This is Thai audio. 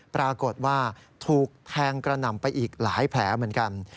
ปรากฏว่าถูกแทงกระหน่ำไปอีกหลายแผลเหมือนกัน